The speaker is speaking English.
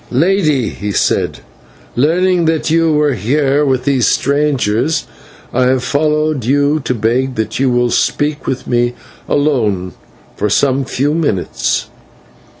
"Lady," he said, "learning that you were here with these strangers, I have followed you to beg that you will speak with me alone for some few minutes."